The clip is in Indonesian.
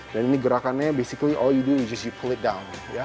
dan ini gerakannya basically all you do is you just pull it down ya